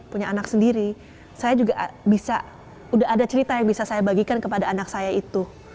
punya anak sendiri saya juga bisa udah ada cerita yang bisa saya bagikan kepada anak saya itu